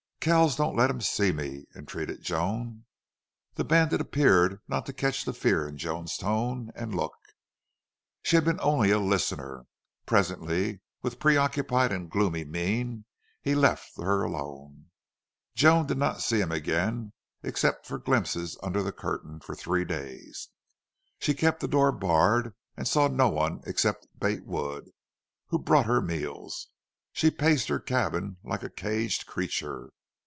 "Kells, don't let him see me!" entreated Joan. The bandit appeared not to catch the fear in Joan's tone and look. She had been only a listener. Presently with preoccupied and gloomy mien, he left her alone. Joan did not see him again, except for glimpses under the curtain, for three days. She kept the door barred and saw no one except Bate Wood, who brought her meals. She paced her cabin like a caged creature.